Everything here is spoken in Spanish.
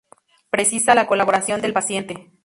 Precisa la colaboración del paciente.